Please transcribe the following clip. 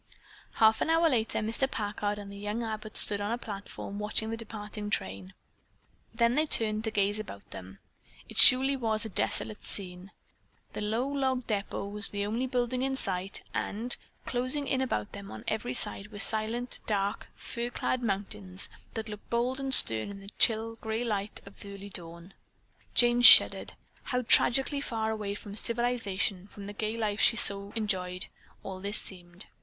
Half an hour later, Mr. Packard and the young Abbotts stood on a platform watching the departing train. Then they turned to gaze about them. It surely was a desolate scene. The low log depot was the only building in sight, and, closing in about them on every side were silent, dark, fir clad mountains that looked bold and stern in the chill gray light of early dawn. Jane shuddered. How tragically far away from civilization, from the gay life she so enjoyed all this seemed.